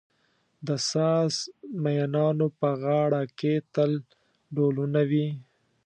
د ساز مېنانو په غاړه کې تل ډهلونه وي.